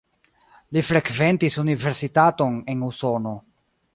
Li frekventis universitaton en Usono.